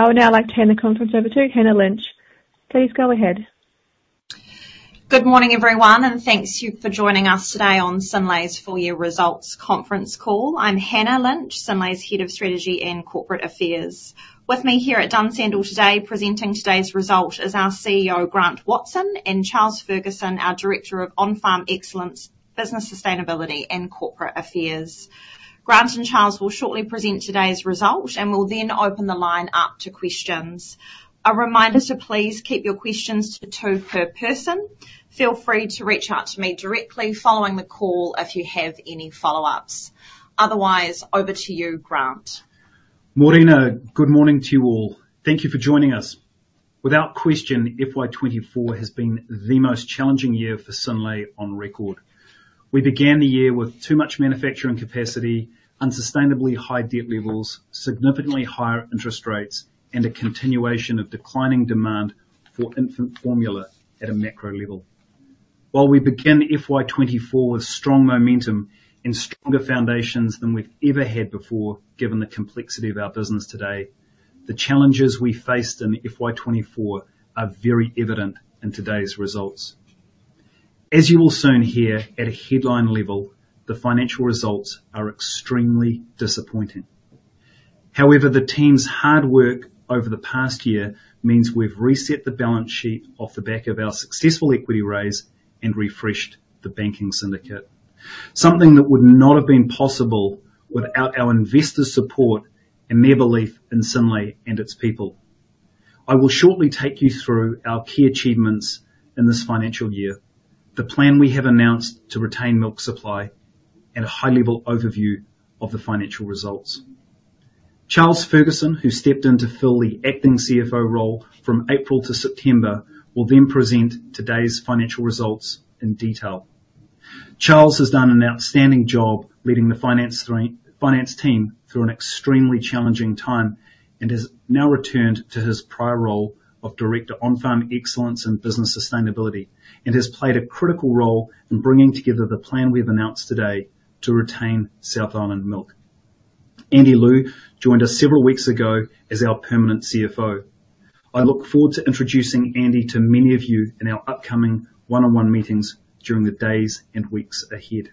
I would now like to hand the conference over to Hannah Lynch. Please go ahead. Good morning, everyone, and thank you for joining us today on Synlait's full year results conference call. I'm Hannah Lynch, Synlait's Head of Strategy and Corporate Affairs. With me here at Dunsandel today, presenting today's results, is our CEO, Grant Watson, and Charles Ferguson, our Director of On-Farm Excellence, Business Sustainability, and Corporate Affairs. Grant and Charles will shortly present today's results, and we'll then open the line up to questions. A reminder to please keep your questions to two per person. Feel free to reach out to me directly following the call if you have any follow-ups. Otherwise, over to you, Grant. Morena. Good morning to you all. Thank you for joining us. Without question, FY twenty-four has been the most challenging year for Synlait on record. We began the year with too much manufacturing capacity, unsustainably high debt levels, significantly higher interest rates, and a continuation of declining demand for infant formula at a macro level. While we began FY twenty-four with strong momentum and stronger foundations than we've ever had before, given the complexity of our business today, the challenges we faced in FY twenty-four are very evident in today's results. As you will soon hear, at a headline level, the financial results are extremely disappointing. However, the team's hard work over the past year means we've reset the balance sheet off the back of our successful equity raise and refreshed the banking syndicate. Something that would not have been possible without our investors' support and their belief in Synlait and its people. I will shortly take you through our key achievements in this financial year, the plan we have announced to retain milk supply, and a high-level overview of the financial results. Charles Ferguson, who stepped in to fill the acting CFO role from April to September, will then present today's financial results in detail. Charles has done an outstanding job leading the finance team through an extremely challenging time, and has now returned to his prior role of Director, On-Farm Excellence and Business Sustainability, and has played a critical role in bringing together the plan we've announced today to retain South Island Milk. Andy Liu joined us several weeks ago as our permanent CFO. I look forward to introducing Andy to many of you in our upcoming one-on-one meetings during the days and weeks ahead.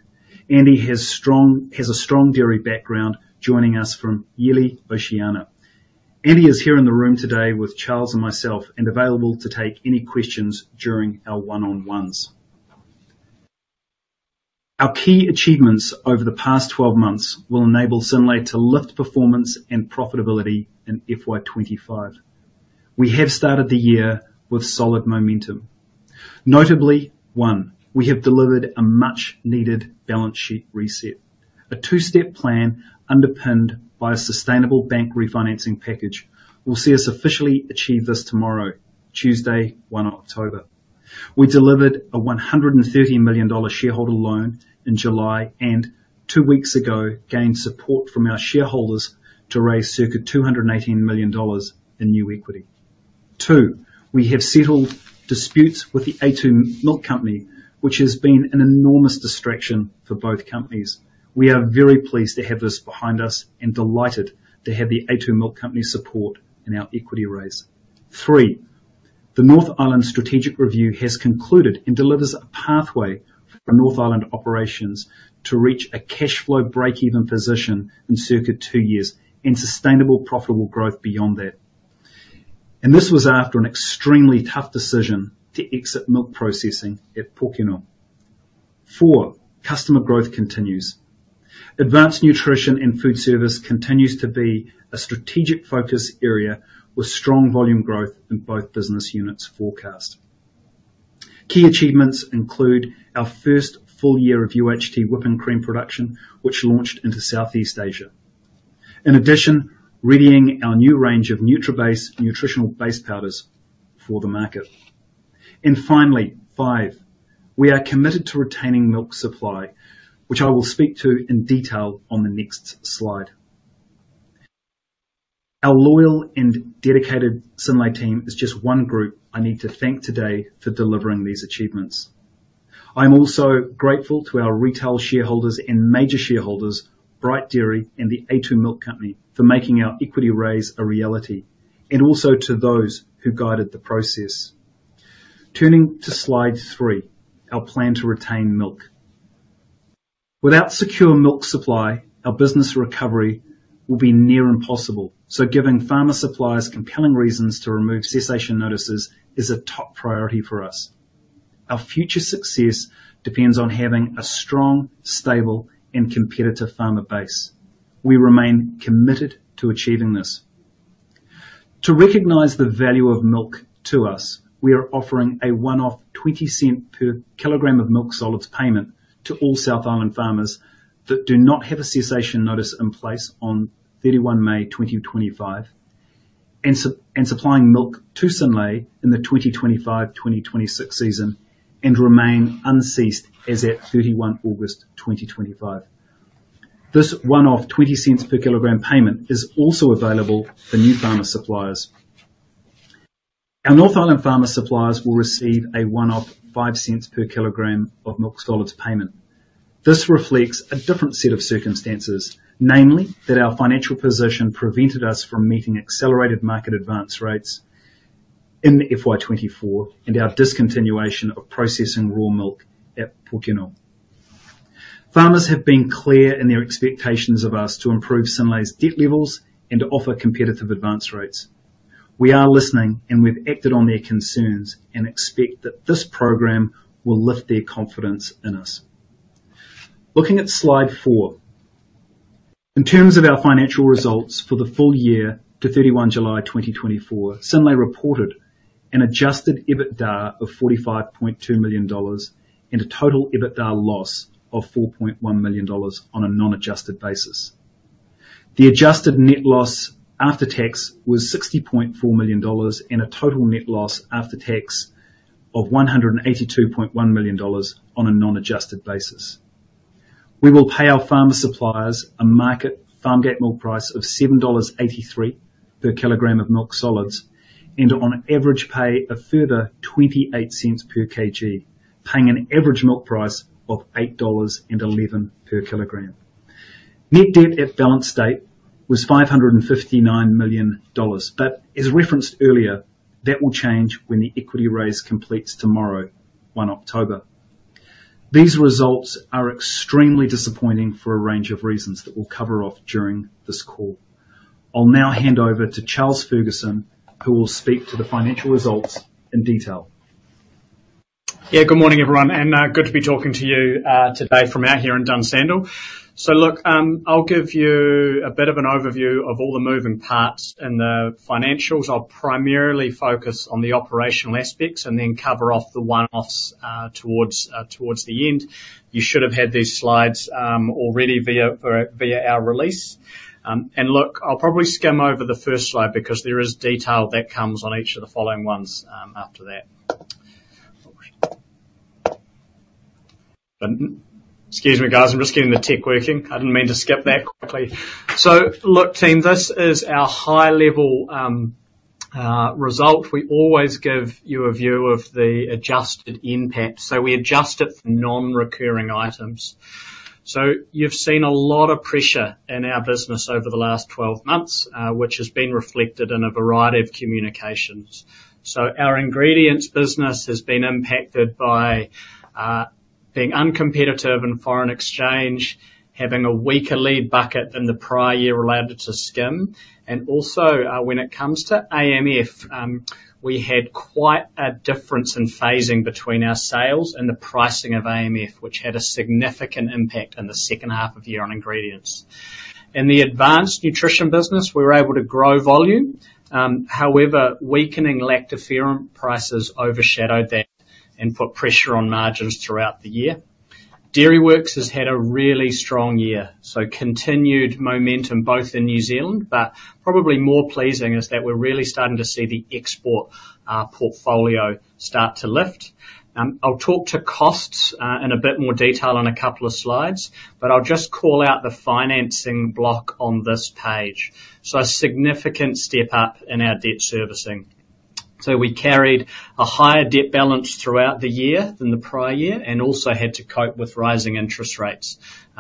Andy has a strong dairy background, joining us from Yili Oceania. Andy is here in the room today with Charles and myself, and available to take any questions during our one-on-ones. Our key achievements over the past twelve months will enable Synlait to lift performance and profitability in FY twenty-five. We have started the year with solid momentum. Notably, one, we have delivered a much-needed balance sheet reset. A two-step plan, underpinned by a sustainable bank refinancing package, will see us officially achieve this tomorrow, Tuesday, 1 October. We delivered a 130 million dollar shareholder loan in July, and two weeks ago, gained support from our shareholders to raise circa 218 million dollars in new equity. Two, we have settled disputes with the a2 Milk Company, which has been an enormous distraction for both companies. We are very pleased to have this behind us and delighted to have the a2 Milk Company's support in our equity raise. Three, the North Island strategic review has concluded and delivers a pathway for North Island operations to reach a cash flow breakeven position in circa two years and sustainable, profitable growth beyond that, and this was after an extremely tough decision to exit milk processing at Pokeno. Four, customer growth continues. Advanced Nutrition and Foodservice continues to be a strategic focus area with strong volume growth in both business units forecast. Key achievements include our first full year of UHT whipping cream production, which launched into Southeast Asia. In addition, readying our new range of NutraBase nutritional base powders for the market. And finally, five, we are committed to retaining milk supply, which I will speak to in detail on the next slide. Our loyal and dedicated Synlait team is just one group I need to thank today for delivering these achievements. I'm also grateful to our retail shareholders and major shareholders, Bright Dairy and the a2 Milk Company, for making our equity raise a reality, and also to those who guided the process. Turning to slide three, our plan to retain milk. Without secure milk supply, our business recovery will be near impossible, so giving farmer suppliers compelling reasons to remove cessation notices is a top priority for us. Our future success depends on having a strong, stable, and competitive farmer base. We remain committed to achieving this. To recognize the value of milk to us, we are offering a one-off 0.20 per kilogram of milk solids payment to all South Island farmers that do not have a cessation notice in place on thirty-one May 2025, and supplying milk to Synlait in the 2025/2026 season and remain unceased as at thirty-one August 2025. This one-off 0.20 per kilogram payment is also available for new farmer suppliers. Our North Island farmer suppliers will receive a one-off 0.05 per kilogram of milk solids payment. This reflects a different set of circumstances, namely, that our financial position prevented us from meeting accelerated market advance rates in FY 2024, and our discontinuation of processing raw milk at Pokeno. Farmers have been clear in their expectations of us to improve Synlait's debt levels and to offer competitive advance rates. We are listening, and we've acted on their concerns, and expect that this program will lift their confidence in us. Looking at slide four. In terms of our financial results for the full year to 31 July 2024, Synlait reported an adjusted EBITDA of 45.2 million dollars, and a total EBITDA loss of 4.1 million dollars on a non-adjusted basis. The adjusted net loss after tax was 60.4 million dollars, and a total net loss after tax of 182.1 million dollars on a non-adjusted basis. We will pay our farmer suppliers a market farm gate milk price of 7.83 dollars per kilogram of milk solids, and on average, pay a further 0.28 per kg, paying an average milk price of 8.11 dollars per kilogram. Net debt at balance date was 559 million dollars, but as referenced earlier, that will change when the equity raise completes tomorrow, 1 October. These results are extremely disappointing for a range of reasons that we'll cover off during this call. I'll now hand over to Charles Ferguson, who will speak to the financial results in detail. Yeah, good morning, everyone, and good to be talking to you today from out here in Dunsandel. So look, I'll give you a bit of an overview of all the moving parts in the financials. I'll primarily focus on the operational aspects and then cover off the one-offs towards the end. You should have had these slides already via our release. And look, I'll probably skim over the first slide, because there is detail that comes on each of the following ones after that. Excuse me, guys, I'm just getting the tech working. I didn't mean to skip that quickly. So look, team, this is our high-level result. We always give you a view of the adjusted NPAT, so we adjust it for non-recurring items. You've seen a lot of pressure in our business over the last twelve months, which has been reflected in a variety of communications. Our Ingredients business has been impacted by being uncompetitive in foreign exchange, having a weaker lead bucket than the prior year related to skim, and also, when it comes to AMF, we had quite a difference in phasing between our sales and the pricing of AMF, which had a significant impact in the second half of the year on Ingredients. In the Advanced Nutrition business, we were able to grow volume. However, weakening lactoferrin prices overshadowed that and put pressure on margins throughout the year. Dairyworks has had a really strong year, so continued momentum both in New Zealand, but probably more pleasing, is that we're really starting to see the export portfolio start to lift. I'll talk to costs in a bit more detail on a couple of slides, but I'll just call out the financing block on this page. So a significant step up in our debt servicing. So we carried a higher debt balance throughout the year than the prior year, and also had to cope with rising interest rates.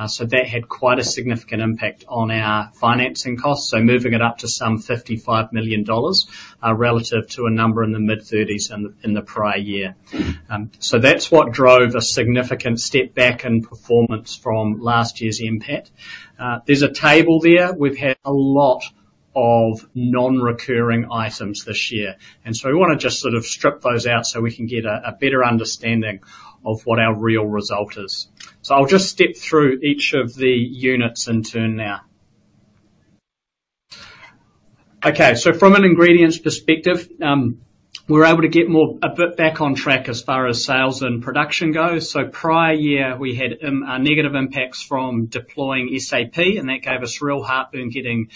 So that had quite a significant impact on our financing costs, so moving it up to some 55 million dollars relative to a number in the mid-thirties in the prior year. So that's what drove a significant step back in performance from last year's NPAT. There's a table there. We've had a lot of non-recurring items this year, and so we wanna just sort of strip those out so we can get a better understanding of what our real result is. So I'll just step through each of the units in turn now. Okay, so from an ingredients perspective, we're able to get a bit more back on track as far as sales and production goes. So prior year, we had negative impacts from deploying SAP, and that gave us real heartburn getting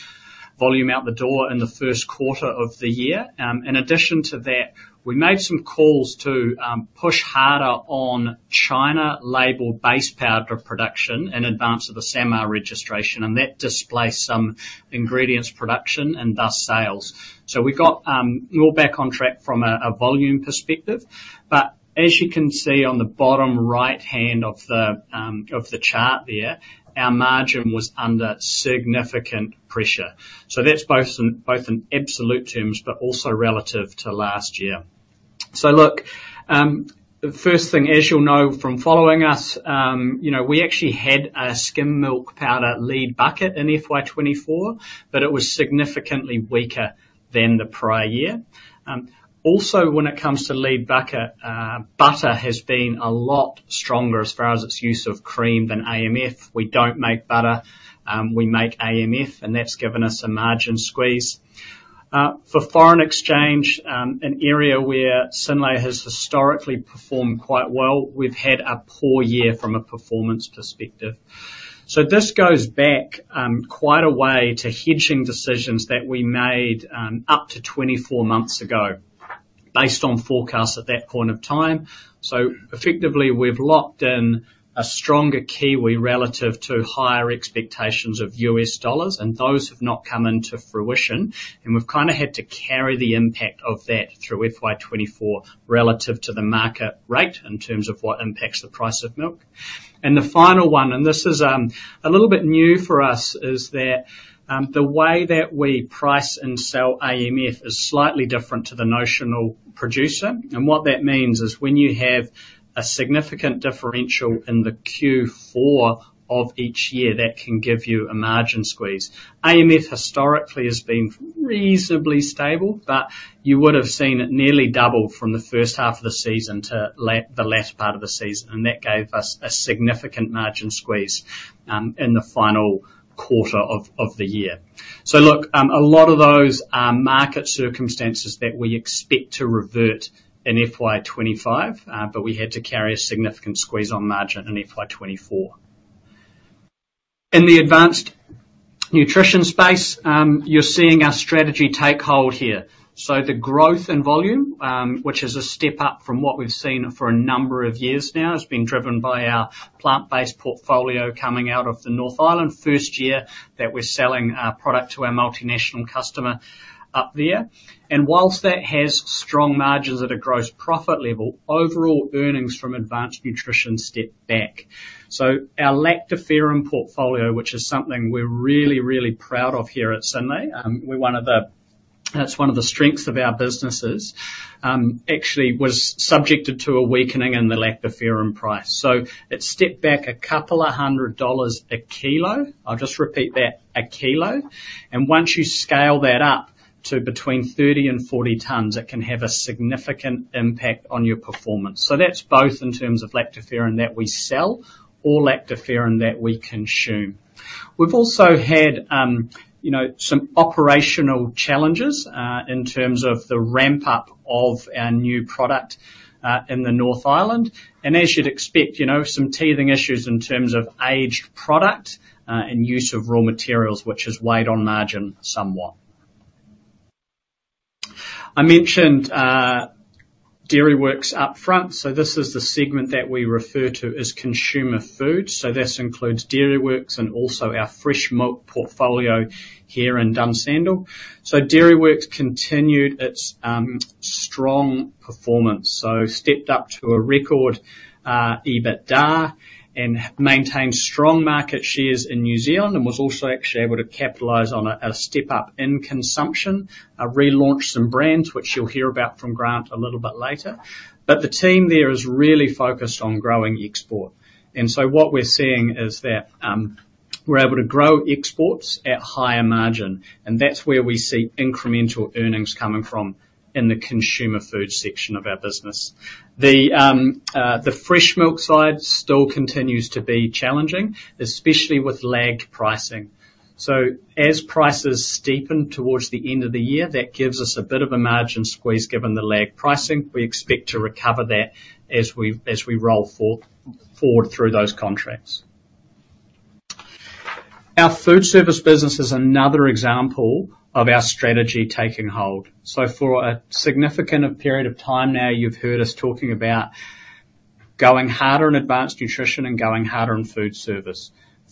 volume out the door in the first quarter of the year. In addition to that, we made some calls to push harder on China-labeled base powder production in advance of the SAMR registration, and that displaced some ingredients production, and thus sales. So we got more back on track from a volume perspective. But as you can see on the bottom right hand of the chart there, our margin was under significant pressure. So that's both in absolute terms, but also relative to last year. So look, the first thing, as you'll know from following us, you know, we actually had a skim milk powder lead bucket in FY 2024, but it was significantly weaker than the prior year. Also, when it comes to lead bucket, butter has been a lot stronger as far as its use of cream than AMF. We don't make butter, we make AMF, and that's given us a margin squeeze. For foreign exchange, an area where Synlait has historically performed quite well, we've had a poor year from a performance perspective. So this goes back quite a way to hedging decisions that we made up to 24 months ago. Based on forecasts at that point of time. So effectively, we've locked in a stronger Kiwi relative to higher expectations of US dollars, and those have not come into fruition, and we've kind of had to carry the impact of that through FY 2024, relative to the market rate, in terms of what impacts the price of milk. And the final one, and this is, a little bit new for us, is that, the way that we price and sell AMF is slightly different to the notional producer. And what that means is when you have a significant differential in the Q4 of each year, that can give you a margin squeeze. AMF historically has been reasonably stable, but you would have seen it nearly double from the first half of the season to the latter part of the season, and that gave us a significant margin squeeze in the final quarter of the year. So look, a lot of those are market circumstances that we expect to revert in FY 2025, but we had to carry a significant squeeze on margin in FY 2024. In the advanced nutrition space, you're seeing our strategy take hold here. So the growth in volume, which is a step up from what we've seen for a number of years now, has been driven by our plant-based portfolio coming out of the North Island. First year that we're selling our product to our multinational customer up there. While that has strong margins at a gross profit level, overall earnings from Advanced Nutrition stepped back. Our lactoferrin portfolio, which is something we're really, really proud of here at Synlait, we're one of the. It's one of the strengths of our businesses, actually was subjected to a weakening in the lactoferrin price. It stepped back a couple of hundred dollars a kilo. I'll just repeat that, a kilo. Once you scale that up to between 30 and 40 tons, it can have a significant impact on your performance. That's both in terms of lactoferrin that we sell or lactoferrin that we consume. We've also had, you know, some operational challenges in terms of the ramp-up of our new product in the North Island. As you'd expect, you know, some teething issues in terms of aged product and use of raw materials, which has weighed on margin somewhat. I mentioned Dairyworks up front. This is the segment that we refer to as consumer foods. This includes Dairyworks and also our fresh milk portfolio here in Dunsandel. Dairyworks continued its strong performance, so stepped up to a record EBITDA and maintained strong market shares in New Zealand, and was also actually able to capitalize on a step up in consumption, relaunched some brands, which you'll hear about from Grant a little bit later. But the team there is really focused on growing export, and so what we're seeing is that, we're able to grow exports at higher margin, and that's where we see incremental earnings coming from in the consumer foods section of our business. The, the fresh milk side still continues to be challenging, especially with lag pricing. So as prices steepened towards the end of the year, that gives us a bit of a margin squeeze, given the lag pricing. We expect to recover that as we roll forward through those contracts. Our Foodservice business is another example of our strategy taking hold. So for a significant period of time now, you've heard us talking about going harder in Advanced Nutrition and going harder in Foodservice.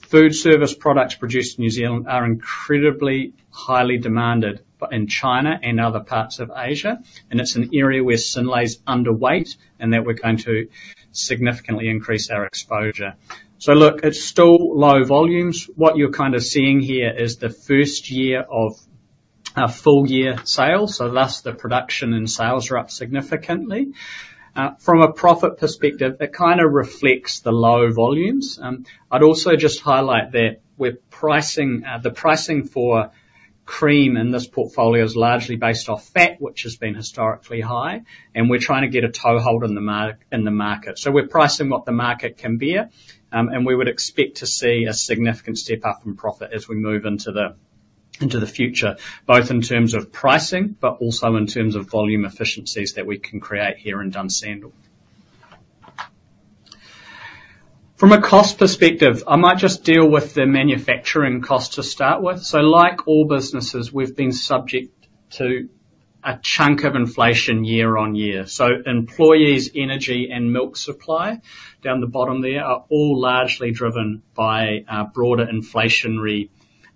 Foodservice products produced in New Zealand are incredibly highly demanded in China and other parts of Asia, and it's an area where Synlait is underweight, and that we're going to significantly increase our exposure. So look, it's still low volumes. What you're kind of seeing here is the first year of a full year sales, so thus the production and sales are up significantly. From a profit perspective, it kind of reflects the low volumes. I'd also just highlight that we're pricing... The pricing for cream in this portfolio is largely based off fat, which has been historically high, and we're trying to get a toehold in the market. So we're pricing what the market can bear, and we would expect to see a significant step-up in profit as we move into the future, both in terms of pricing, but also in terms of volume efficiencies that we can create here in Dunsandel. From a cost perspective, I might just deal with the manufacturing cost to start with. So like all businesses, we've been subject to a chunk of inflation year on year. So employees, energy, and milk supply, down the bottom there, are all largely driven by broader inflationary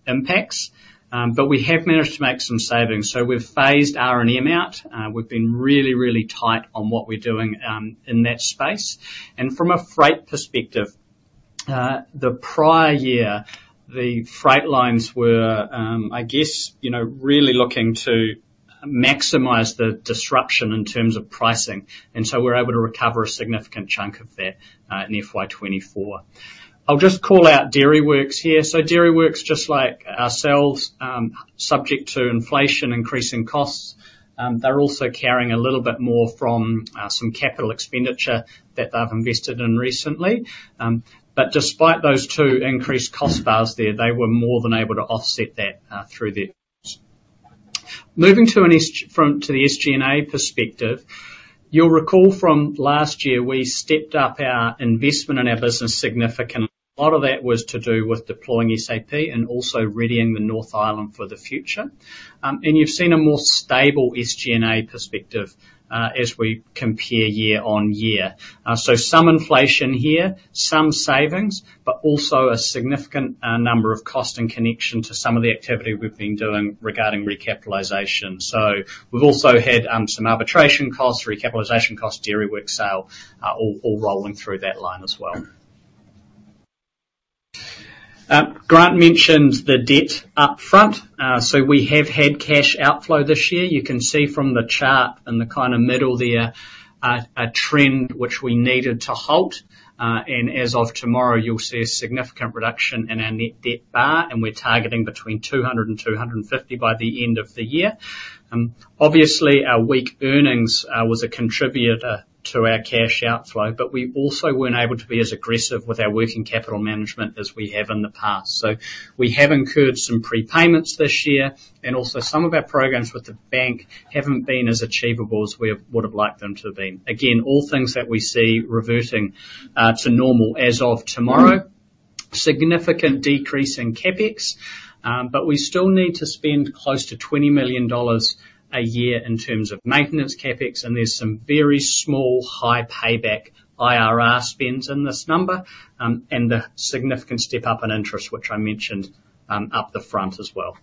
impacts, but we have managed to make some savings. So we've phased R&M out. We've been really, really tight on what we're doing in that space. From a freight perspective, the prior year, the freight lines were, I guess, you know, really looking to maximize the disruption in terms of pricing, and so we were able to recover a significant chunk of that in FY twenty-four. I'll just call out Dairyworks here. So Dairyworks, just like ourselves, subject to inflation, increasing costs. They're also carrying a little bit more from some capital expenditure that they've invested in recently. But despite those two increased cost bars there, they were more than able to offset that through their SG&A perspective. You'll recall from last year, we stepped up our investment in our business significantly. A lot of that was to do with deploying SAP and also readying the North Island for the future. And you've seen a more stable SG&A perspective, as we compare year-on-year. So some inflation here, some savings, but also a significant number of cost in connection to some of the activity we've been doing regarding recapitalization. So we've also had some arbitration costs, recapitalization costs, Dairyworks sale, all rolling through that line as well. Grant mentioned the debt upfront. So we have had cash outflow this year. You can see from the chart, in the kinda middle there, a trend which we needed to halt. And as of tomorrow, you'll see a significant reduction in our net debt bar, and we're targeting between 200 and 250 by the end of the year. Obviously, our weak earnings was a contributor to our cash outflow, but we also weren't able to be as aggressive with our working capital management as we have in the past. So we have incurred some prepayments this year, and also some of our programs with the bank haven't been as achievable as we would have liked them to have been. Again, all things that we see reverting to normal as of tomorrow. Significant decrease in CapEx, but we still need to spend close to 20 million dollars a year in terms of maintenance CapEx, and there's some very small, high payback IRR spends in this number, and a significant step-up in interest, which I mentioned up the front as well.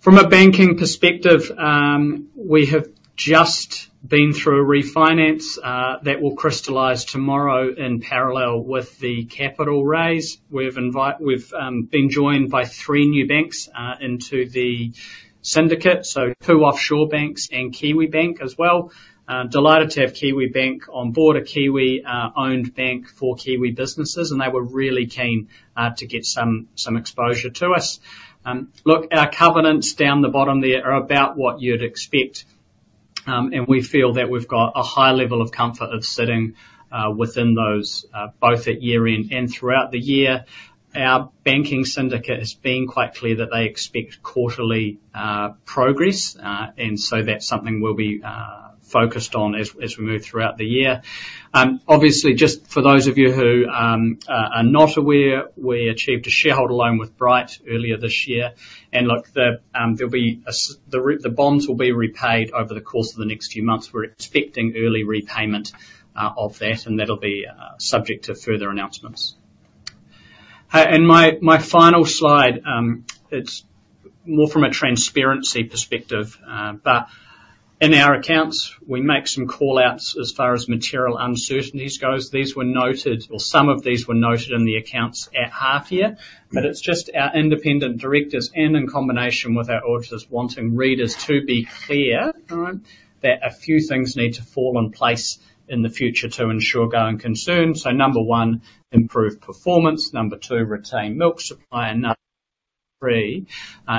From a banking perspective, we have just been through a refinance that will crystallize tomorrow in parallel with the capital raise. We've been joined by three new banks into the syndicate, so two offshore banks and Kiwibank as well. Delighted to have Kiwibank on board, a Kiwi-owned bank for Kiwi businesses, and they were really keen to get some exposure to us. Look, our covenants down the bottom there are about what you'd expect, and we feel that we've got a high level of comfort of sitting within those both at year-end and throughout the year. Our banking syndicate has been quite clear that they expect quarterly progress, and so that's something we'll be focused on as we move throughout the year. Obviously, just for those of you who are not aware, we achieved a shareholder loan with Bright earlier this year, and there'll be the bonds will be repaid over the course of the next few months. We're expecting early repayment of that, and that'll be subject to further announcements. And my final slide, it's more from a transparency perspective, but in our accounts, we make some call-outs as far as material uncertainties goes. These were noted, or some of these were noted in the accounts at half year, but it's just our independent directors, and in combination with our auditors, wanting readers to be clear, all right, that a few things need to fall in place in the future to ensure going concern. So number one, improved performance. Number two, retain milk supply. And number three,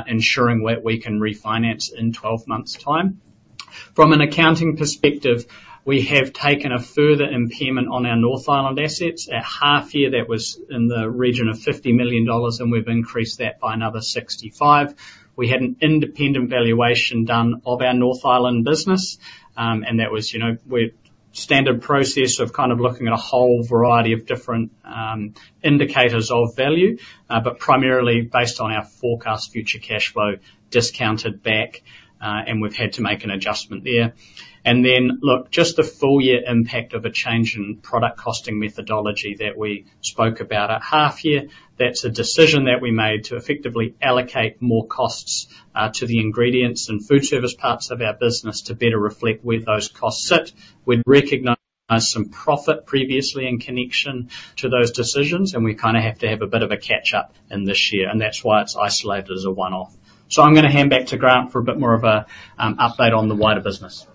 ensuring that we can refinance in twelve months' time. From an accounting perspective, we have taken a further impairment on our North Island assets. At half year, that was in the region of 50 million dollars, and we've increased that by another sixty-five. We had an independent valuation done of our North Island business, and that was, you know, standard process of kind of looking at a whole variety of different indicators of value, but primarily based on our forecast future cashflow discounted back, and we've had to make an adjustment there. And then, look, just the full year impact of a change in product costing methodology that we spoke about at half year. That's a decision that we made to effectively allocate more costs to the ingredients and Foodservice parts of our business to better reflect where those costs sit. We'd recognized some profit previously in connection to those decisions, and we kinda have to have a bit of a catch-up in this year, and that's why it's isolated as a one-off. So I'm gonna hand back to Grant for a bit more of a update on the wider business.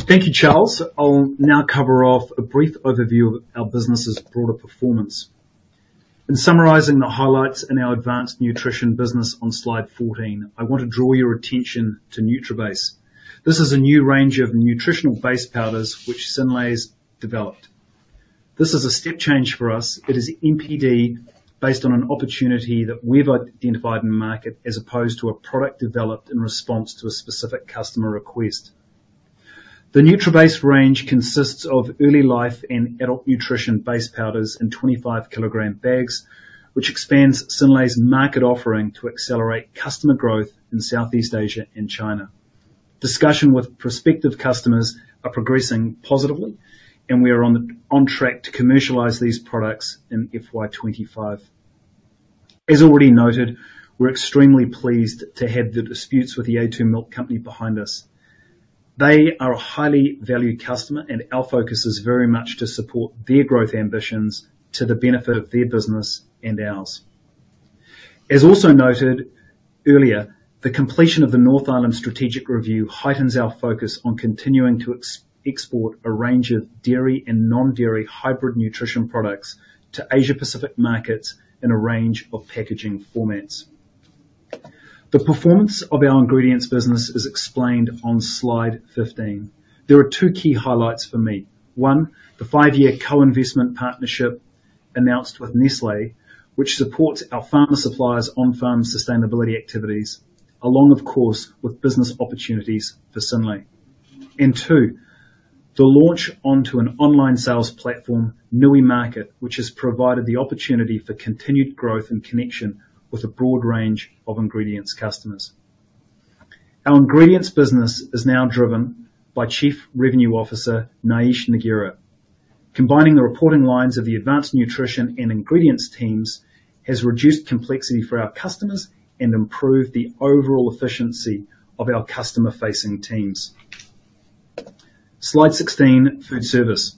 Thank you, Charles. I'll now cover off a brief overview of our business's broader performance. In summarizing the highlights in our advanced nutrition business on slide fourteen, I want to draw your attention to NutraBase. This is a new range of nutritional base powders which Synlait's developed. This is a step change for us. It is NPD, based on an opportunity that we've identified in the market, as opposed to a product developed in response to a specific customer request. The NutraBase range consists of early life and adult nutrition base powders in twenty-five kilogram bags, which expands Synlait's market offering to accelerate customer growth in Southeast Asia and China. Discussion with prospective customers are progressing positively, and we are on track to commercialize these products in FY twenty-five. As already noted, we're extremely pleased to have the disputes with The a2 Milk Company behind us. They are a highly valued customer, and our focus is very much to support their growth ambitions to the benefit of their business and ours. As also noted earlier, the completion of the North Island strategic review heightens our focus on continuing to export a range of dairy and non-dairy hybrid nutrition products to Asia Pacific markets, in a range of packaging formats. The performance of our ingredients business is explained on Slide fifteen. There are two key highlights for me. One, the five-year co-investment partnership announced with Nestlé, which supports our farmer suppliers on-farm sustainability activities, along, of course, with business opportunities for Synlait. Two, the launch onto an online sales platform, Nui Markets, which has provided the opportunity for continued growth and connection with a broad range of ingredients customers. Our ingredients business is now driven by Chief Revenue Officer, Naish Ngarira. Combining the reporting lines of the advanced nutrition and ingredients teams has reduced complexity for our customers and improved the overall efficiency of our customer-facing teams. Slide 16, Foodservice.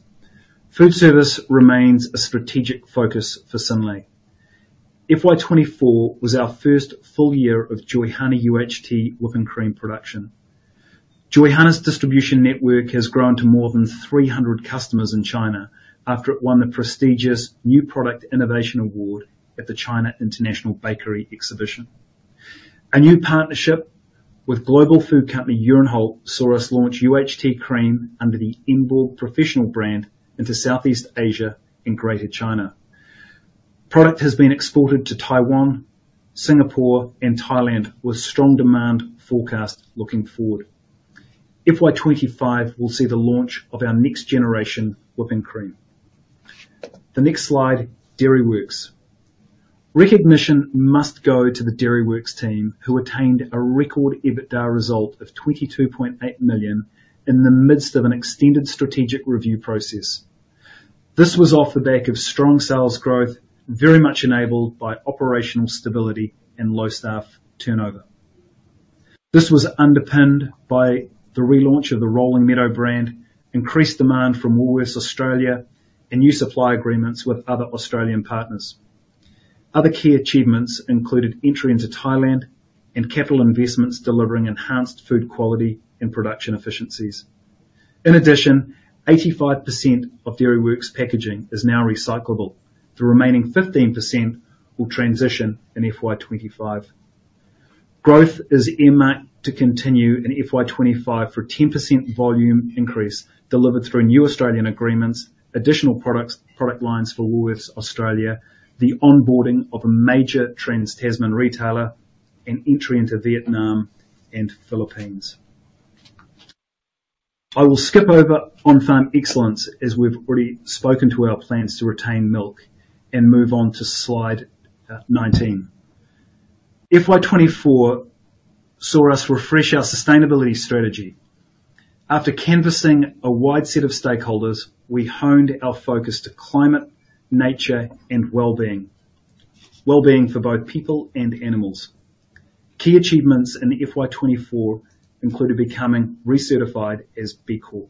Foodservice remains a strategic focus for Synlait. FY 2024 was our first full year of Joyhana UHT whipping cream production. Joyhana's distribution network has grown to more than 300 customers in China, after it won the prestigious New Product Innovation Award at the China International Bakery Exhibition. A new partnership with global food company, Uhrenholt, saw us launch UHT Cream under the Emborg Professional brand into Southeast Asia and Greater China. Product has been exported to Taiwan, Singapore, and Thailand, with strong demand forecast looking forward. FY 2025 will see the launch of our next generation whipping cream. The next slide, Dairyworks. Recognition must go to the Dairyworks team, who attained a record EBITDA result of 22.8 million in the midst of an extended strategic review process. This was off the back of strong sales growth, very much enabled by operational stability and low staff turnover. This was underpinned by the relaunch of the Rolling Meadow brand, increased demand from Woolworths Australia, and new supply agreements with other Australian partners. Other key achievements included entry into Thailand and capital investments, delivering enhanced food quality and production efficiencies. In addition, 85% of Dairyworks packaging is now recyclable. The remaining 15% will transition in FY 2025. Growth is earmarked to continue in FY 2025, for a 10% volume increase delivered through new Australian agreements, additional products, product lines for Woolworths Australia, the onboarding of a major Trans-Tasman retailer, and entry into Vietnam and Philippines. I will skip over on-farm excellence, as we've already spoken to our plans to retain milk, and move on to slide nineteen. FY twenty-four saw us refresh our sustainability strategy. After canvassing a wide set of stakeholders, we honed our focus to climate, nature, and well-being. Well-being for both people and animals. Key achievements in the FY twenty-four included becoming recertified as B Corp.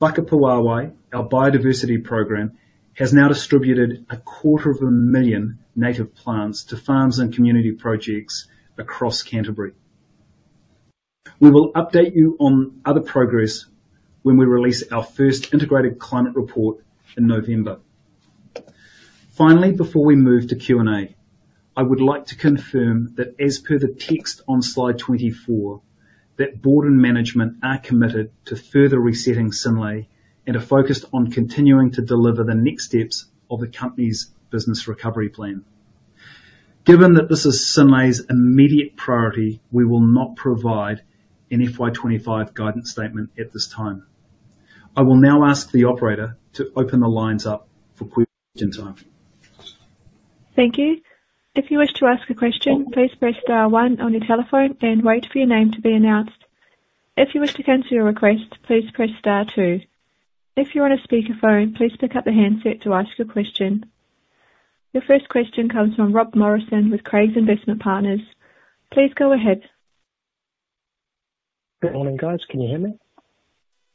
Whakapuāwai, our biodiversity program, has now distributed a quarter of a million native plants to farms and community projects across Canterbury. We will update you on other progress when we release our first integrated climate report in November. Finally, before we move to Q&A, I would like to confirm that as per the text on slide twenty-four, that board and management are committed to further resetting Synlait, and are focused on continuing to deliver the next steps of the company's business recovery plan. Given that this is Synlait's immediate priority, we will not provide an FY 2025 guidance statement at this time. I will now ask the operator to open the lines up for question time. Thank you. If you wish to ask a question, please press star one on your telephone and wait for your name to be announced. If you wish to cancel your request, please press star two. If you're on a speakerphone, please pick up the handset to ask your question. Your first question comes from Rob Morrison with Craigs Investment Partners. Please go ahead. Good morning, guys. Can you hear me?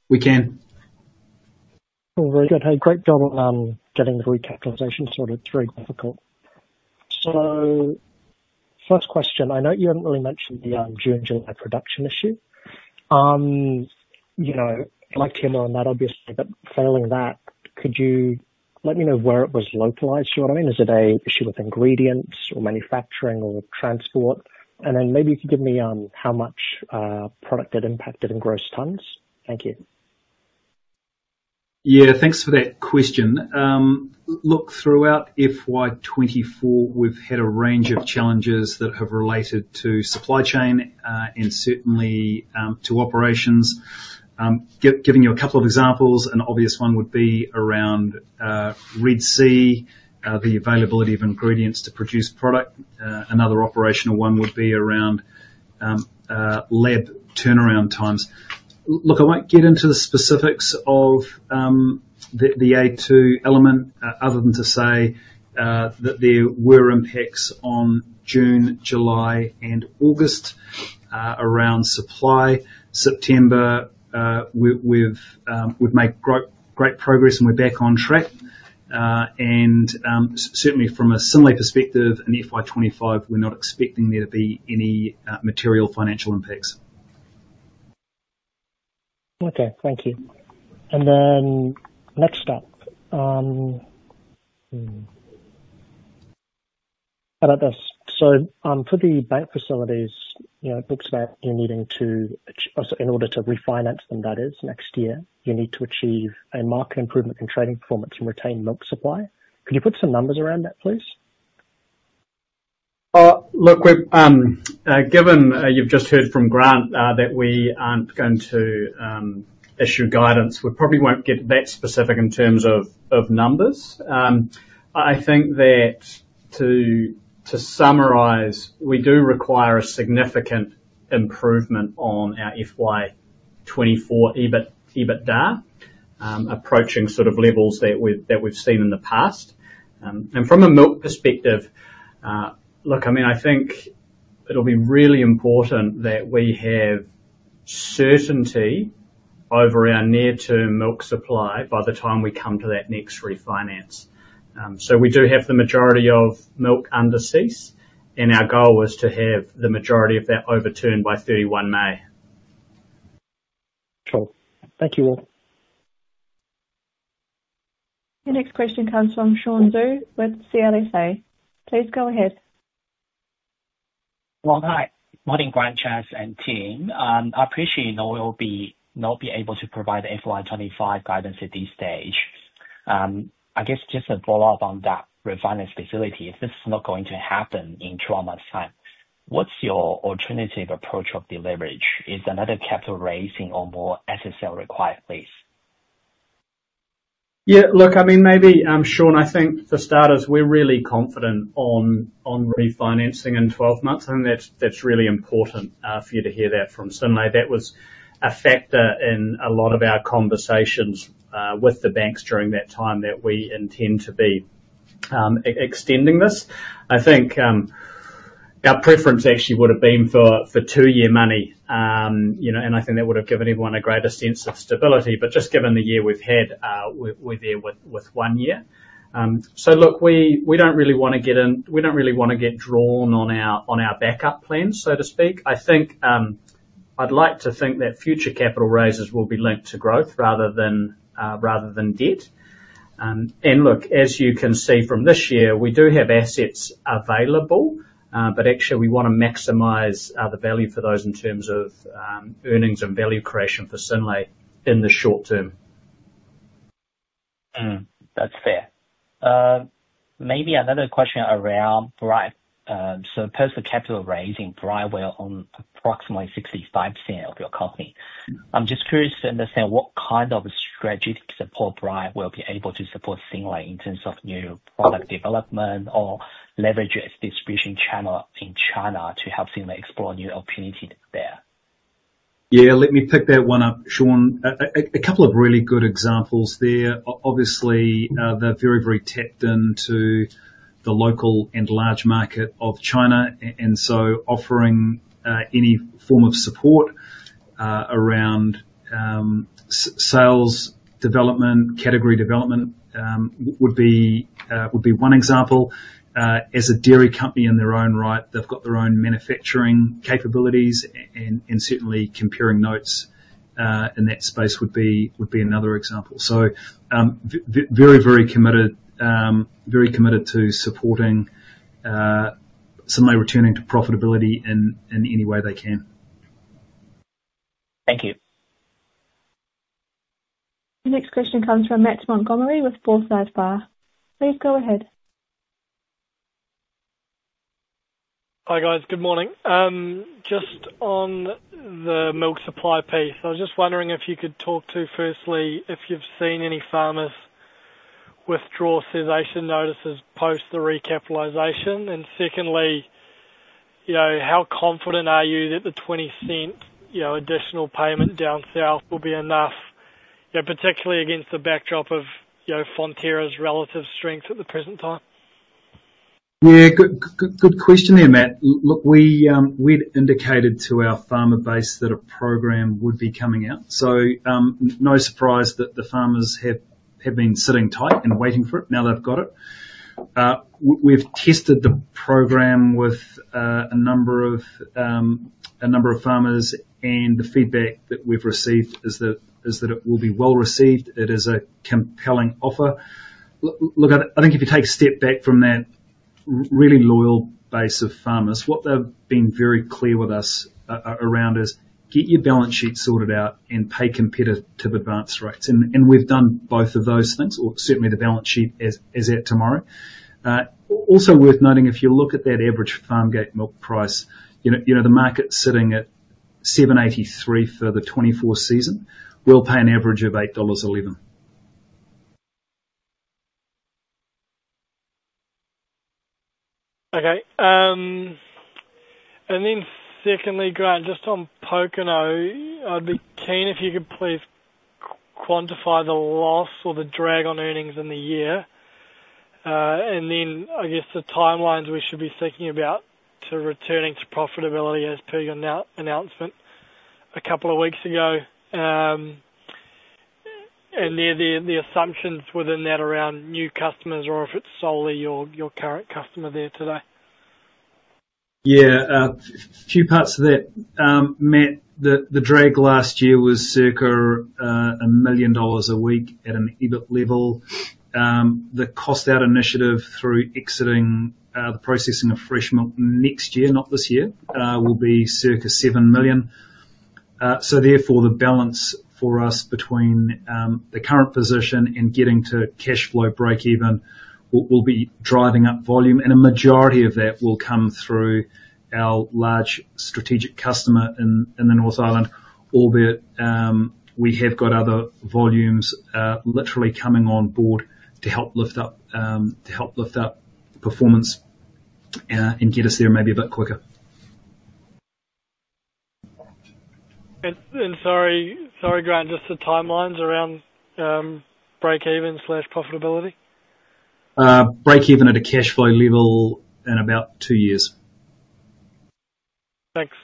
We can. Very good. Hey, great job on getting the recapitalization sorted. It's very difficult. So first question, I know you haven't really mentioned the June, July production issue. You know, I'd like to hear more on that, obviously, but failing that, could you let me know where it was localized? You know what I mean? Is it an issue with ingredients or manufacturing or transport? And then maybe you could give me how much product got impacted in gross tons? Thank you. Yeah, thanks for that question. Look, throughout FY twenty-four, we've had a range of challenges that have related to supply chain, and certainly, to operations. Giving you a couple of examples, an obvious one would be around, Red Sea, the availability of ingredients to produce product. Another operational one would be around, lab turnaround times. Look, I won't get into the specifics of, the a2 element, other than to say, that there were impacts on June, July, and August, around supply. September, we've made great, great progress, and we're back on track. And, certainly from a Synlait perspective, in FY twenty-five, we're not expecting there to be any, material financial impacts. Okay, thank you. And then next up, for the bank facilities, you know, it looks like you're needing to, so in order to refinance them, that is, next year, you need to achieve a marked improvement in trading performance and retain milk supply. Could you put some numbers around that, please? Look, we've given, you've just heard from Grant that we aren't going to issue guidance. We probably won't get that specific in terms of numbers. I think that to summarize, we do require a significant improvement on our FY 2024 EBIT, EBITDA, approaching sort of levels that we've seen in the past, and from a milk perspective, look, I mean, I think it'll be really important that we have certainty over our near-term milk supply by the time we come to that next refinance, so we do have the majority of milk under cease, and our goal was to have the majority of that overturned by thirty-one May. Sure. Thank you, all. Your next question comes from Sean Zhu with CLSA. Please go ahead. Hi. Morning, Grant, Charles, and team. I appreciate you know we'll not be able to provide FY25 guidance at this stage. I guess just to follow up on that refinance facility, if this is not going to happen in 12 months' time, what's your alternative approach of the leverage? Is another capital raising or more SSL required, please? Yeah, look, I mean, maybe, Sean, I think for starters, we're really confident on refinancing in 12 months, and that's really important for you to hear that from Synlait. That was a factor in a lot of our conversations with the banks during that time, that we intend to be extending this. I think our preference actually would've been for 2-year money. You know, and I think that would've given everyone a greater sense of stability, but just given the year we've had, we're there with 1 year. So look, we don't really want to get drawn on our backup plans, so to speak. I think I'd like to think that future capital raises will be linked to growth rather than debt. And look, as you can see from this year, we do have assets available, but actually we wanna maximize the value for those in terms of earnings and value creation for Synlait in the short term. That's fair. Maybe another question around Bright. So post the capital raise in Bright, we're on approximately 65% of your company. I'm just curious to understand what kind of strategic support Bright will be able to support Synlait in terms of new product development or leverage its distribution channel in China to help Synlait explore new opportunities there? Yeah, let me pick that one up, Sean. A couple of really good examples there. Obviously, they're very, very tapped into the local and large market of China, and so offering any form of support around sales development, category development would be one example. As a dairy company in their own right, they've got their own manufacturing capabilities, and certainly comparing notes in that space would be another example. So, very, very committed. Very committed to supporting Synlait returning to profitability in any way they can. Thank you. The next question comes from Matt Montgomerie with Forsyth Barr. Please go ahead. Hi, guys. Good morning. Just on the milk supply piece, I was just wondering if you could talk to, firstly, if you've seen any farmers withdraw cessation notices post the recapitalization? And secondly, you know, how confident are you that the 0.20 additional payment down south will be enough, you know, particularly against the backdrop of, you know, Fonterra's relative strength at the present time? Yeah, good, good question there, Matt. Look, we, we'd indicated to our farmer base that a program would be coming out, so, no surprise that the farmers have been sitting tight and waiting for it, now they've got it. We've tested the program with a number of farmers, and the feedback that we've received is that it will be well received. It is a compelling offer. Look, I think if you take a step back from that really loyal base of farmers, what they've been very clear with us around is, "Get your balance sheet sorted out, and pay competitive advance rates." And we've done both of those things, or certainly the balance sheet as at tomorrow. Also worth noting, if you look at that average farmgate milk price, you know, the market's sitting at 7.83 for the 2024 season. We'll pay an average of 8.11 dollars. Okay, and then secondly, Grant, just on Pokeno, I'd be keen if you could please quantify the loss or the drag on earnings in the year. And then, I guess, the timelines we should be thinking about to returning to profitability as per your announcement a couple of weeks ago. And the assumptions within that around new customers, or if it's solely your current customer there today? ... Yeah, few parts to that. Matt, the drag last year was circa 1 million dollars a week at an EBIT level. The cost out initiative through exiting the processing of fresh milk next year, not this year, will be circa 7 million. So therefore, the balance for us between the current position and getting to cashflow breakeven will be driving up volume, and a majority of that will come through our large strategic customer in the North Island, albeit we have got other volumes literally coming on board to help lift up performance and get us there maybe a bit quicker. Sorry, Grant, just the timelines around breakeven slash profitability? Breakeven at a cash flow level in about two years. Thanks.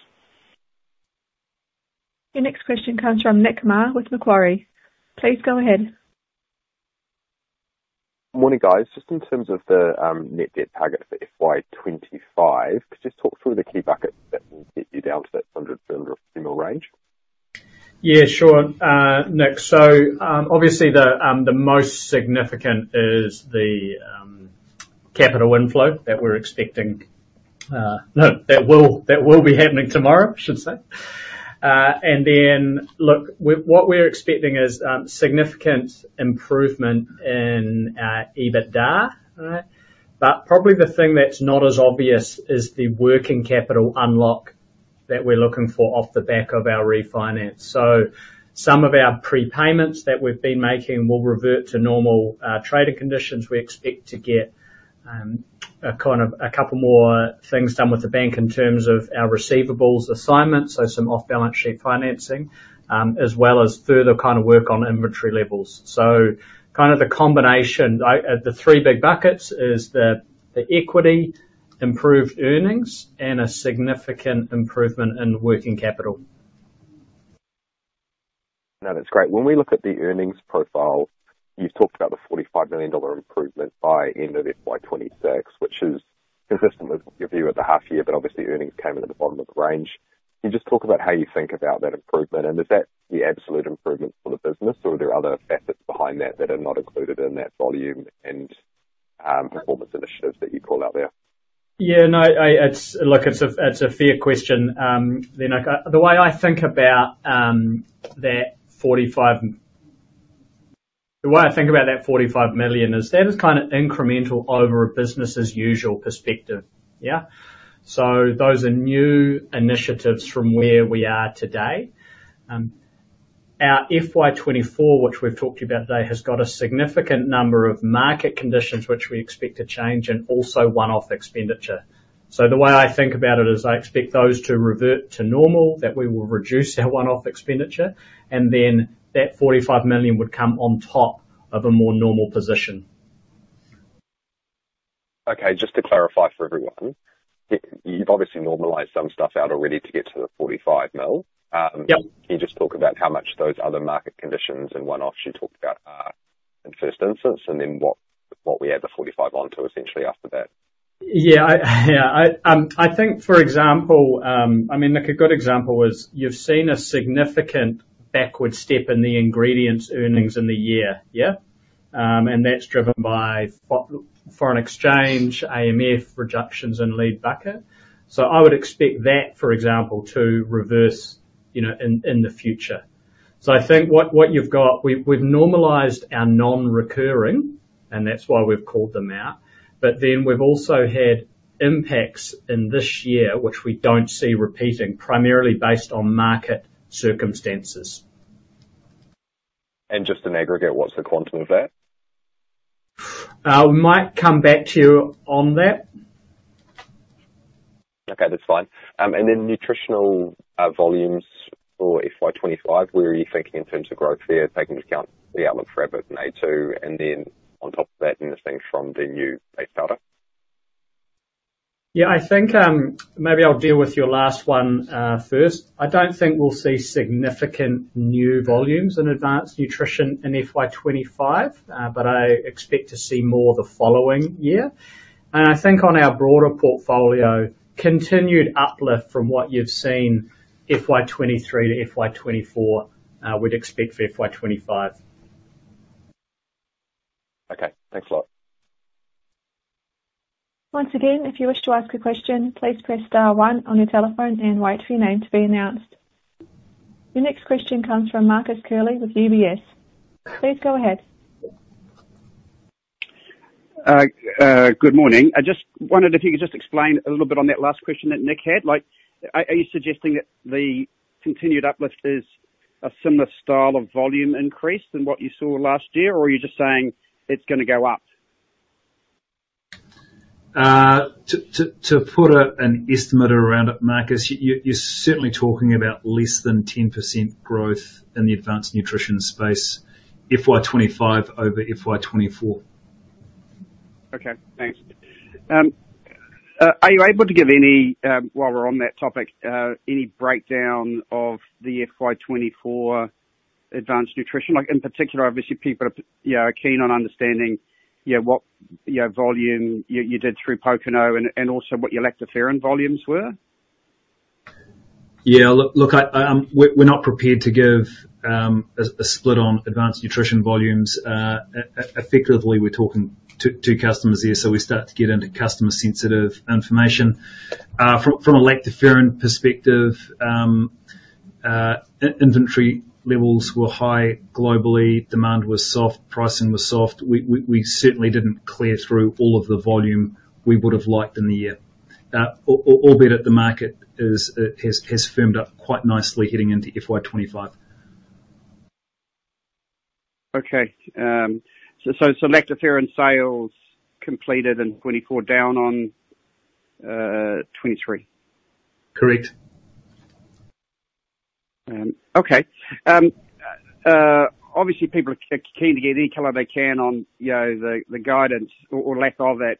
Your next question comes from Nick Mar, with Macquarie. Please go ahead. Morning, guys. Just in terms of the net debt target for FY 2025, could you just talk through the key buckets that will get you down to that 100-100 mil range? Yeah, sure, Nick. So, obviously the most significant is the capital inflow that we're expecting. No, that will be happening tomorrow, I should say. And then, look, what we're expecting is significant improvement in EBITDA, right? But probably the thing that's not as obvious is the working capital unlock that we're looking for off the back of our refinance. So some of our prepayments that we've been making will revert to normal trading conditions. We expect to get a kind of a couple more things done with the bank in terms of our receivables assignments, so some off-balance sheet financing, as well as further kind of work on inventory levels. So kind of the combination, I, the three big buckets, is the equity, improved earnings, and a significant improvement in working capital. No, that's great. When we look at the earnings profile, you've talked about the 45 million dollar improvement by end of FY 2026, which is consistent with your view at the half year, but obviously earnings came in at the bottom of the range. Can you just talk about how you think about that improvement, and is that the absolute improvement for the business, or are there other factors behind that, that are not included in that volume and performance initiatives that you call out there? Yeah, no. Look, it's a fair question. The way I think about that 45 million is, that is kind of incremental over a business as usual perspective, yeah? So those are new initiatives from where we are today. Our FY 2024, which we've talked to you about today, has got a significant number of market conditions which we expect to change, and also one-off expenditure. So the way I think about it is, I expect those to revert to normal, that we will reduce our one-off expenditure, and then that 45 million would come on top of a more normal position. Okay, just to clarify for everyone, you've obviously normalized some stuff out already to get to the 45 mil. Yep. Can you just talk about how much those other market conditions and one-offs you talked about are, in first instance, and then what, what we add the 45 onto, essentially, after that? Yeah, I think, for example, I mean, Nick, a good example is, you've seen a significant backward step in the ingredients earnings in the year, yeah? And that's driven by foreign exchange, AMF reductions in lead bucket. So I would expect that, for example, to reverse, you know, in the future. So I think what you've got, we've normalized our non-recurring, and that's why we've called them out, but then we've also had impacts in this year, which we don't see repeating, primarily based on market circumstances. Just in aggregate, what's the quantum of that? We might come back to you on that. Okay, that's fine. And then nutritional volumes for FY 2025, where are you thinking in terms of growth there, taking into account the outlook for a2, and then on top of that, anything from the new NutraBase? Yeah, I think, maybe I'll deal with your last one, first. I don't think we'll see significant new volumes in advanced nutrition in FY 2025, but I expect to see more the following year. And I think on our broader portfolio, continued uplift from what you've seen, FY 2023 to FY 2024, we'd expect for FY 2025. Okay, thanks a lot. Once again, if you wish to ask a question, please press star one on your telephone and wait for your name to be announced. The next question comes from Marcus Curley with UBS. Please go ahead. Good morning. I just wondered if you could just explain a little bit on that last question that Nick had. Like, are you suggesting that the continued uplift is a similar style of volume increase than what you saw last year, or are you just saying it's gonna go up? To put an estimate around it, Marcus, you, you're certainly talking about less than 10% growth in the Advanced Nutrition space, FY 2025 over FY 2024. Okay, thanks. Are you able to give any, while we're on that topic, any breakdown of the FY twenty-four-... Advanced Nutrition, like in particular, obviously, people are keen on understanding, what volume you did through Pokeno and also what your lactoferrin volumes were? Yeah, look, we're not prepared to give a split on Advanced Nutrition volumes. Effectively, we're talking two customers there, so we start to get into customer-sensitive information. From a lactoferrin perspective, inventory levels were high globally, demand was soft, pricing was soft. We certainly didn't clear through all of the volume we would've liked in the year. Albeit, the market has firmed up quite nicely heading into FY 2025. Okay, so lactoferrin sales completed in 2024, down on 2023? Correct. Okay. Obviously people are keen to get any color they can on, you know, the guidance or lack of it.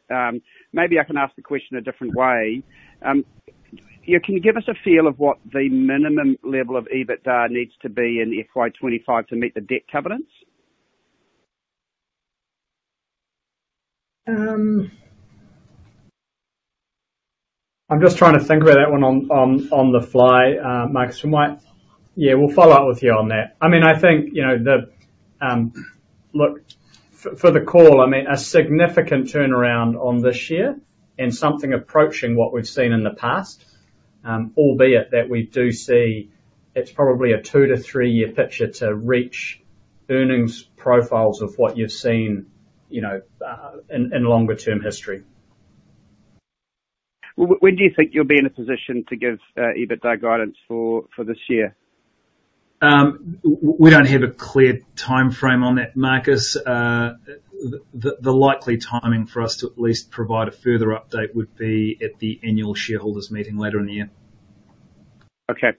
Maybe I can ask the question a different way. Yeah, can you give us a feel of what the minimum level of EBITDA needs to be in FY 2025 to meet the debt covenants? I'm just trying to think about that one on the fly, Marcus. We might... Yeah, we'll follow up with you on that. I mean, I think, you know, the, Look, for the call, I mean, a significant turnaround on this year, and something approaching what we've seen in the past, albeit that we do see it's probably a two- to three-year picture to reach earnings profiles of what you've seen, you know, in longer term history. When do you think you'll be in a position to give EBITDA guidance for this year? We don't have a clear timeframe on that, Marcus. The likely timing for us to at least provide a further update would be at the annual shareholders' meeting, later in the year. Okay.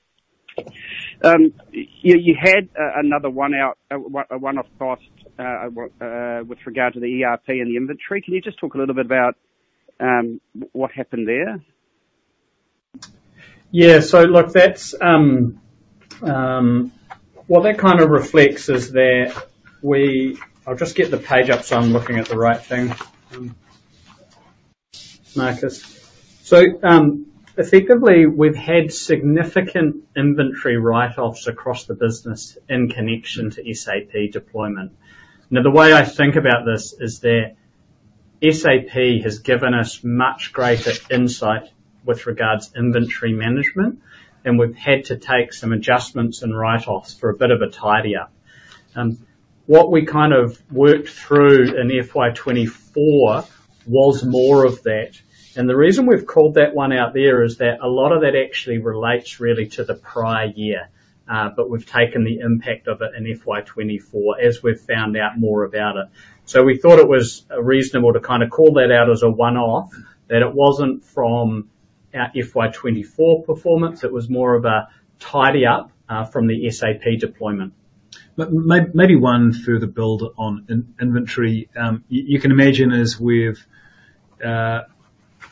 You had another one-off cost with regard to the ERP and the inventory. Can you just talk a little bit about what happened there? Yeah, so look, that's what that kind of reflects is that we. I'll just get the page up, so I'm looking at the right thing, Marcus. So, effectively, we've had significant inventory write-offs across the business in connection to SAP deployment. Now, the way I think about this is that SAP has given us much greater insight with regards to inventory management, and we've had to take some adjustments and write-offs for a bit of a tidy up. What we kind of worked through in FY 2024 was more of that, and the reason we've called that one out there is that a lot of that actually relates really to the prior year. But we've taken the impact of it in FY 2024, as we've found out more about it. So we thought it was reasonable to kind of call that out as a one-off, that it wasn't from our FY twenty-four performance. It was more of a tidy up from the SAP deployment. But maybe one further build on inventory. You can imagine as we've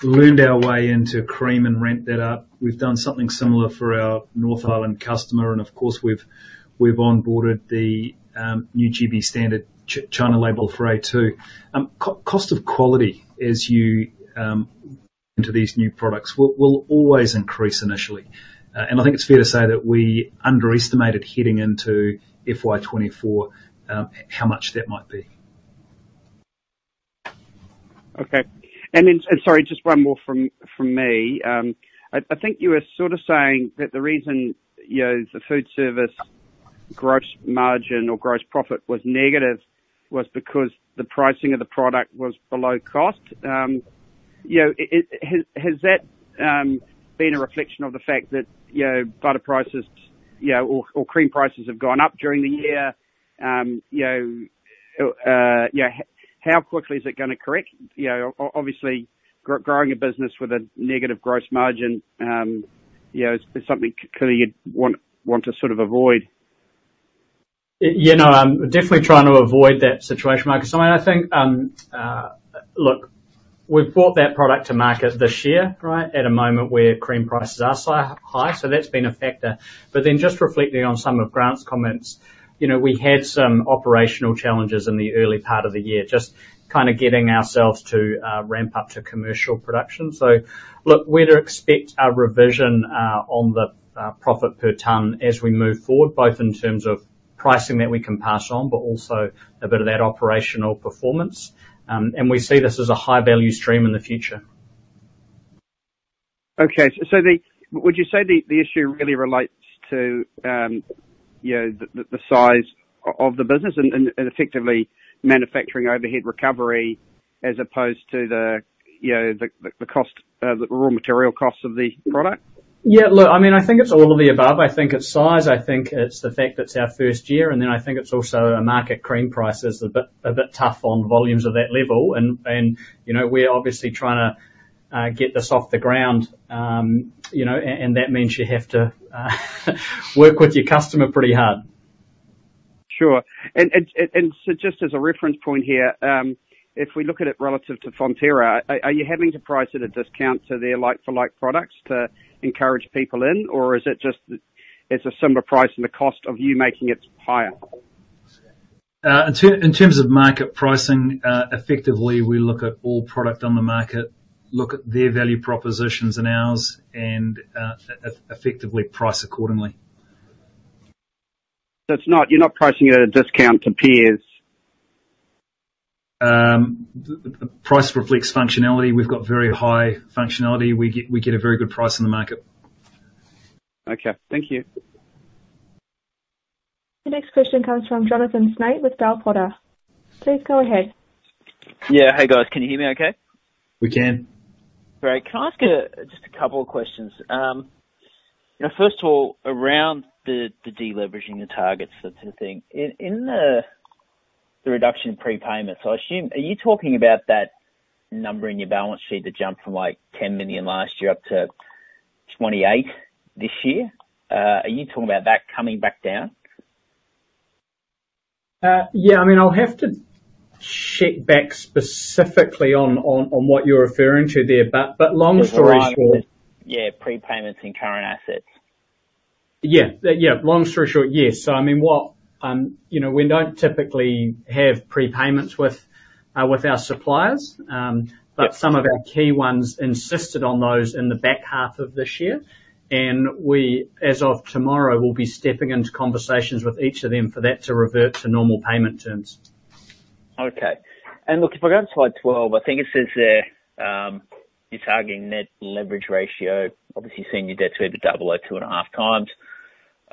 leaned our way into cream and rent that out, we've done something similar for our North Island customer, and of course, we've onboarded the new GB standard China label for A2. Cost of quality, as you into these new products will always increase initially. And I think it's fair to say that we underestimated, heading into FY 2024, how much that might be. Okay, and then, and sorry, just one more from me. I think you were sort of saying that the reason, you know, the Foodservice gross margin or gross profit was negative, was because the pricing of the product was below cost. You know, has that been a reflection of the fact that, you know, butter prices, you know, or cream prices have gone up during the year? You know, how quickly is it gonna correct? You know, obviously, growing a business with a negative gross margin, you know, is something clearly you'd want to sort of avoid. You know, I'm definitely trying to avoid that situation, Marcus. I mean, I think, look, we've brought that product to market this year, right? At a moment where cream prices are so high, so that's been a factor. But then just reflecting on some of Grant's comments, you know, we had some operational challenges in the early part of the year, just kind of getting ourselves to, ramp up to commercial production. So look, we'd expect a revision, on the, profit per ton as we move forward, both in terms of pricing that we can pass on, but also a bit of that operational performance. And we see this as a high-value stream in the future. Would you say the issue really relates to, you know, the size of the business and effectively manufacturing overhead recovery, as opposed to, you know, the cost, the raw material costs of the product? Yeah, look, I mean, I think it's all of the above. I think it's size, I think it's the fact that it's our first year, and then I think it's also market cream price is a bit tough on volumes of that level. And, you know, we're obviously trying to get this off the ground, you know, and that means you have to work with your customer pretty hard. ... Sure. So just as a reference point here, if we look at it relative to Fonterra, are you having to price at a discount to their like-for-like products to encourage people in? Or is it just, it's a similar price, and the cost of you making it higher? In terms of market pricing, effectively, we look at all product on the market, look at their value propositions and ours, and effectively price accordingly. You're not pricing at a discount to peers? The price reflects functionality. We've got very high functionality. We get a very good price in the market. Okay, thank you. The next question comes from Jonathan Snape with Bell Potter. Please go ahead. Yeah. Hey, guys, can you hear me okay? We can. Great. Can I ask just a couple of questions? Now, first of all, around the deleveraging the targets sort of thing. In the reduction in prepayments, I assume. Are you talking about that number in your balance sheet that jumped from, like, 10 million last year up to 28 this year? Are you talking about that coming back down? Yeah. I mean, I'll have to check back specifically on what you're referring to there, but long story short- Yeah, prepayments and current assets. Yeah. Yeah, long story short, yes. So I mean, you know, we don't typically have prepayments with our suppliers. Yeah. But some of our key ones insisted on those in the back half of this year, and we, as of tomorrow, will be stepping into conversations with each of them for that to revert to normal payment terms. Okay. And look, if I go to Slide 12, I think it says there, you're targeting net leverage ratio, obviously, Senior Debt to EBITDA at two and a half times.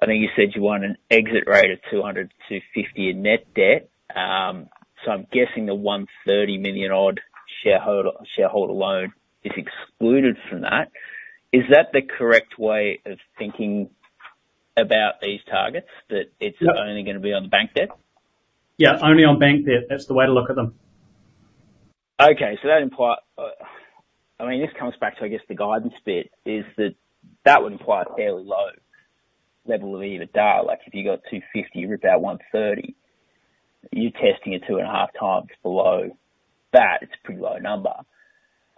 I think you said you want an exit rate of 250 in net debt. So I'm guessing the one thirty million odd shareholder loan is excluded from that. Is that the correct way of thinking about these targets, that it's- Yeah. only gonna be on the bank debt? Yeah, only on bank debt. That's the way to look at them. Okay, so that imply, I mean, this comes back to, I guess, the guidance bit, is that, that would imply a fairly low level of EBITDA. Like, if you got $250, you rip out $130, you're testing it two and a half times below that, it's a pretty low number.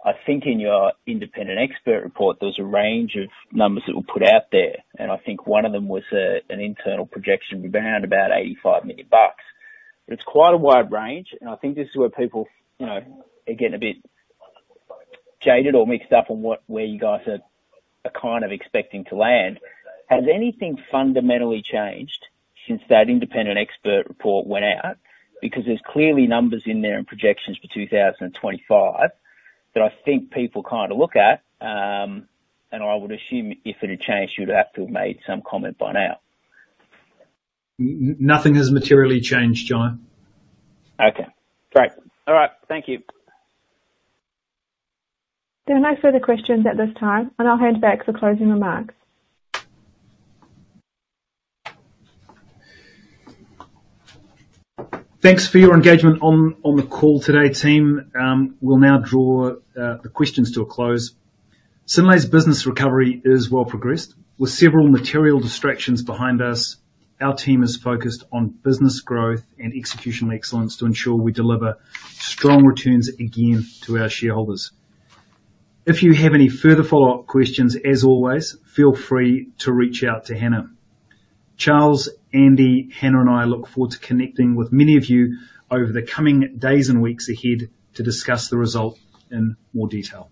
I think in your Independent Expert Report, there was a range of numbers that were put out there, and I think one of them was a, an internal projection around about $85 million bucks. But it's quite a wide range, and I think this is where people, you know, are getting a bit jaded or mixed up on what, where you guys are kind of expecting to land. Has anything fundamentally changed since that Independent Expert Report went out? Because there's clearly numbers in there and projections for 2025, that I think people kind of look at, and I would assume if it had changed, you'd have to have made some comment by now. Nothing has materially changed, John. Okay, great. All right, thank you. There are no further questions at this time, and I'll hand back for closing remarks. Thanks for your engagement on the call today, team. We'll now draw the questions to a close. Synlait's business recovery is well progressed. With several material distractions behind us, our team is focused on business growth and executional excellence to ensure we deliver strong returns again to our shareholders. If you have any further follow-up questions, as always, feel free to reach out to Hannah. Charles, Andy, Hannah, and I look forward to connecting with many of you over the coming days and weeks ahead to discuss the result in more detail.